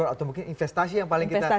atau mungkin investasi yang paling kita